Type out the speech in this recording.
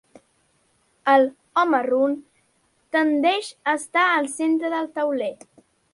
El "home run" tendeix a estar al centre del tauler.